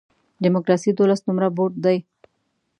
ډیموکراسي دولس نمره بوټ دی.